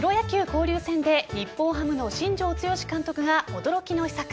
交流戦で日本ハムの新庄剛志監督が驚きの秘策。